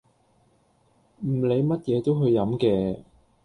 唔理乜嘢都去飲嘅